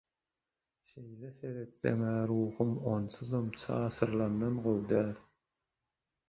Şeýle seretseňä ruhum onsuzam çaşyrylandan gowy däl.